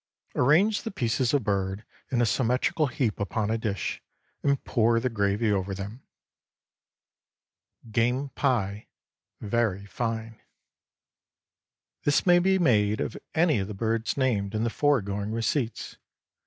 Arrange the pieces of bird in a symmetrical heap upon a dish, and pour the gravy over them. GAME PIE—(Very fine). This may be made of any of the birds named in the foregoing receipts.